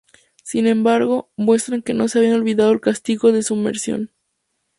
Sin embargo, muestran que no se había olvidado el castigo de sumersión.